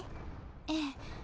ええ。